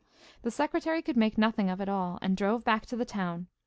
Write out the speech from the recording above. The secretary could make nothing of it all, and drove back to the town.